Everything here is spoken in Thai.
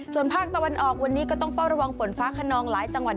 ส่วนภาคตะวันออกวันนี้ก็ต้องเฝ้าระวังฝนฟ้าขนองหลายจังหวัด